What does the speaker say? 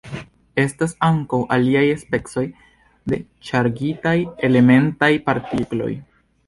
Estas ankaŭ aliaj specoj de ŝargitaj elementaj partikloj.